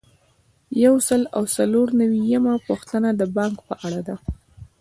یو سل او څلور نوي یمه پوښتنه د بانک په اړه ده.